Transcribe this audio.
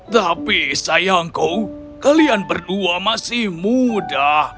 tapi sayangku kalian berdua masih muda